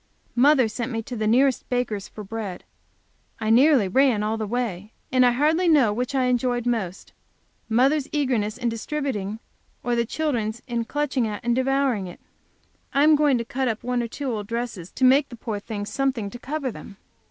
Mother sent me to the nearest baker's for bread; I ran nearly all the way, and I hardly know which I enjoyed most, mother's eagerness in distributing, or the children's in clutching at and devouring it. I am going to cut up one or two old dresses to make the poor things something to cover them.